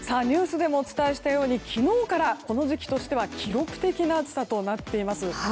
ニュースでもお伝えしたように昨日からこの時期としては記録的な暑さとなっています。